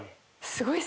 すごいね。